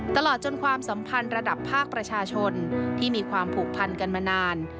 ตลอดจนความสัมพันธ์ระดับภาคประชาชนที่มีความผูกพันกันมานาน